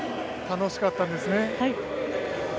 楽しかったんですね。